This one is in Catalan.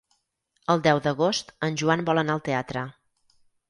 El deu d'agost en Joan vol anar al teatre.